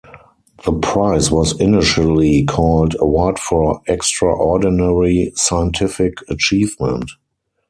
The prize was initially called "Award for Extraordinary Scientific Achievement".